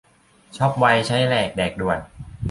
ช็อปไว ใช้แหลก แดกด่วน